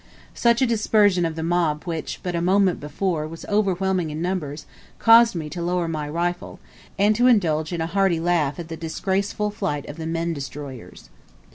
Such a sudden dispersion of the mob which, but a moment before, was overwhelming in numbers, caused me to lower my rifle, and to indulge in a hearty laugh at the disgraceful flight of the men destroyers.